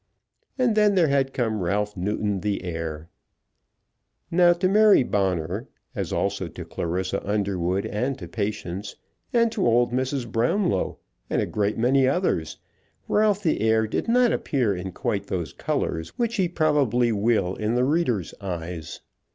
And then there had come Ralph Newton the heir. Now to Mary Bonner, as also to Clarissa Underwood, and to Patience, and to old Mrs. Brownlow, and a great many others, Ralph the heir did not appear in quite those colours which he probably will in the reader's eyes.